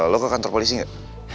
lo ke kantor polisi enggak